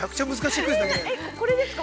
◆これですか？